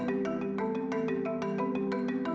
pemerintah dki jakarta memiliki kekuasaan